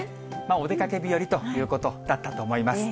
お出かけ日和ということだったと思います。